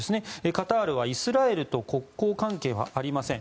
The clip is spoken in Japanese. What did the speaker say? カタールはイスラエルと国交関係はありません。